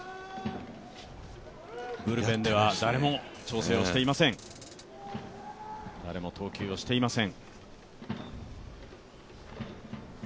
ブルペンでは誰も調整をしていません、誰も投球をしていません。